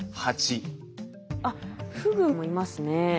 あっフグもいますね。